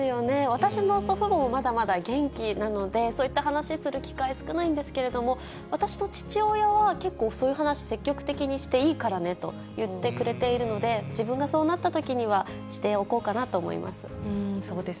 私の祖父母もまだまだ元気なので、そういった話する機会、少ないんですけれども、私と父親は、結構そういう話、積極的にしていいからねと言ってくれているので、自分がそうなったときには、しておこうかなと思います。